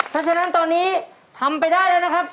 เพราะฉะนั้นตอนนี้ทำไปได้แล้วนะครับ